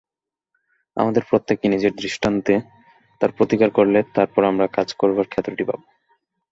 আমাদের প্রত্যেকে নিজের দৃষ্টান্তে তার প্রতিকার করলে তার পর আমরা কাজ করবার ক্ষেত্রটি পাব।